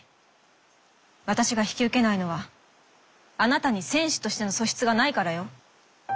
私が引き受けないのはあなたに選手としての素質がないからよ。